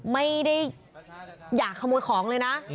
ไม่ได้อยากขโมยของเลยนะ